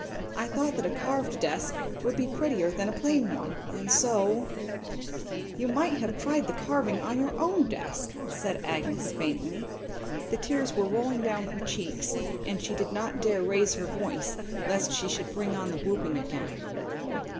I thought that a carved desk would be prettier than a plain one, and so"— "You might have tried the carving on your own desk," said Agnes, faintly. The tears were rolling down her cheeks, and she dared not raise her voice lest she should bring on the whooping again.